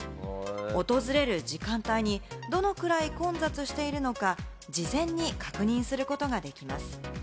訪れる時間帯にどのくらい混雑しているのか、事前に確認することができます。